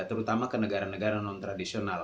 terutama ke negara negara non tradisional